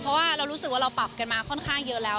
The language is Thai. เพราะว่าเรารู้สึกว่าเราปรับกันมาค่อนข้างเยอะแล้ว